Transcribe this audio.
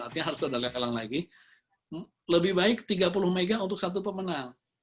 artinya harus sudah dilelang lagi lebih baik tiga puluh mhz untuk satu pemenang